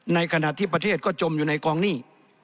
ในขณะที่ประเทศก็จมอยู่ในกองหนี้